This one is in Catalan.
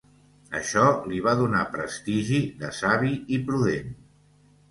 Això li va donar prestigi de savi i prudent.